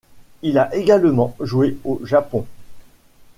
Il a également joué au Japon.